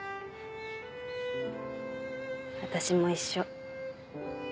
私も一緒。